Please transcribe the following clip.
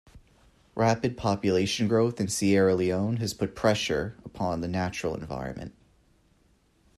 Rapid population growth in Sierra Leone has put pressure upon the natural environment.